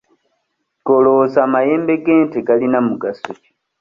Gwe olowooza amayembe g'ente galina mugaso ki?